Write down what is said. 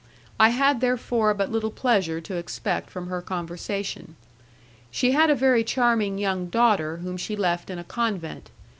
I had therefore but little pleasure to expect from her conversation. She had a very charming young daughter whom she left in a convent.